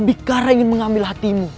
abikara ingin mengambil hatimu